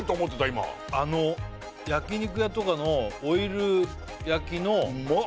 今焼肉屋とかのオイル焼きのうまっ